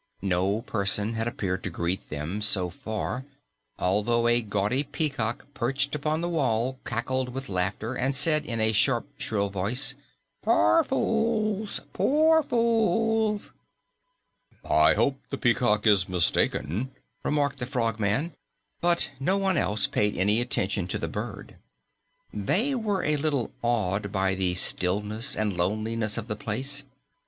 No person had appeared to greet them so far, although a gaudy peacock perched upon the wall cackled with laughter and said in its sharp, shrill voice, "Poor fools! Poor fools!" "I hope the peacock is mistaken," remarked the Frogman, but no one else paid any attention to the bird. They were a little awed by the stillness and loneliness of the place.